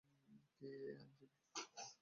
কে এই আইনজীবী?